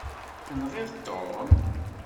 Tenɣiḍ Tom?